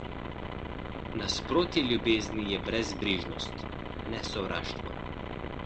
Nasprotje ljubezni je brezbrižnost, ne sovraštvo.